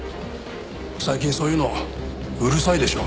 最近そういうのうるさいでしょ。